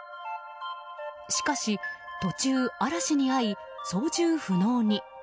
しかし途中、嵐に遭い操縦不能に。